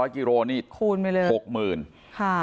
๕๐๐กิโลกรัมคูณไปเลย๖๐๐๐๐บาท